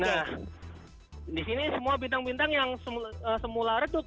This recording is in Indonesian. nah di sini semua bintang bintang yang semula redup